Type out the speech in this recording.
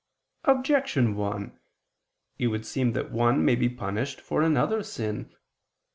Objection 1: It would seem that one may be punished for another's sin.